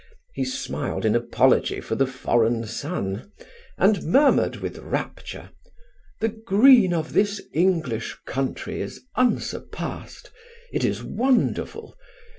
He smiled in apology for the foreign sun, and murmured with rapture: "The green of this English country is unsurpassed. It is wonderful.